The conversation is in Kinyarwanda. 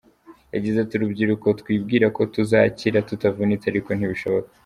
Yagize ati “Urubyiruko twibwira ko tuzakira tutavunitse ariko ntibishoboka.